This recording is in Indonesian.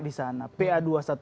di sana pa dua ratus dua belas